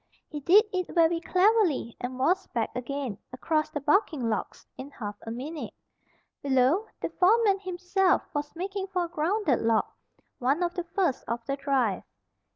He did it very cleverly, and was back again, across the bucking logs, in half a minute. Below, the foreman himself was making for a grounded log, one of the first of the drive.